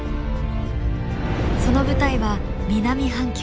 その舞台は南半球。